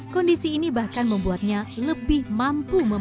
kondisi ini bahkan membuatnya lebih mampu untuk memiliki kesehatan di smpt